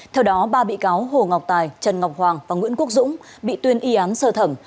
theo đó ba bị cáo hồ ngọc tài trần ngọc hoàng và nguyễn quốc dũng bị tuyên y án sơ thẩm